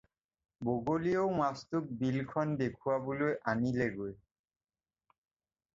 বগলীয়েও মাছটোক বিলখন দেখুৱাই আনিলেগৈ।